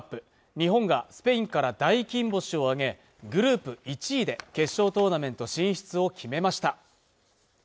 日本がスペインから大金星を挙げグループ１位で決勝トーナメント進出を決めました